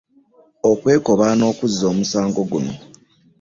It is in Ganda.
Okwekobaana okuzza omusango guno